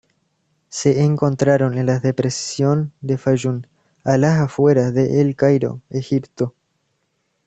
Se encontraron en la depresión del Fayum, a las afueras del El Cairo, Egipto.